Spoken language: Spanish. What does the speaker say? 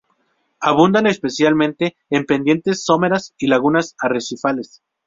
Abundan especialmente en pendientes someras y lagunas arrecifales.